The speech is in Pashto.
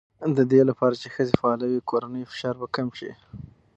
د دې لپاره چې ښځې فعاله وي، کورنی فشار به کم شي.